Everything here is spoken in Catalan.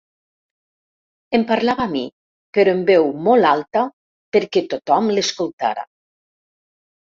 Em parlava a mi, però en veu molt alta perquè tothom l’escoltara.